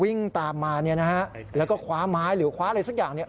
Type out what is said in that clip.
วิ่งตามมาแล้วก็คว้าไม้หรือคว้าอะไรสักอย่าง